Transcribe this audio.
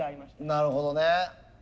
なるほどね。